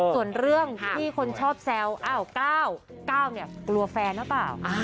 ส่วนเรื่องที่คนชอบแซวค้าวเกลัวแฟนหรอป้าว